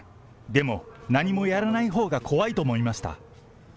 でも何もやらないほうが怖いと思いました。